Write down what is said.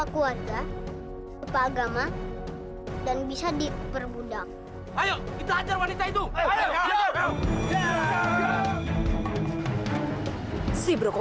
kepala kucang celaka